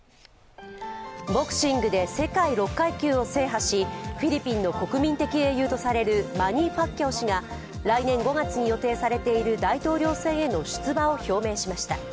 ボクシングで世界６階級を制覇しフィリピンの国民的英雄とされるマニー・パッキャオ氏が来年５月に予定されている大統領選への出馬を表明しました。